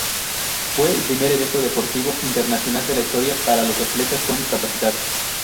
Fue el primer evento deportivo internacional de la historia para los atletas con discapacidad.